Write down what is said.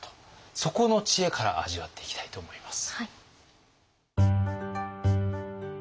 そこの知恵から味わっていきたいと思います。